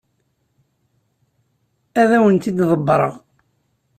Ad awen-t-id-ḍebbreɣ.